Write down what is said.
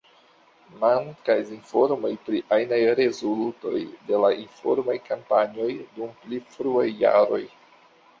Mankas informoj pri ajnaj rezultoj de la informaj kampanjoj dum pli fruaj jaroj.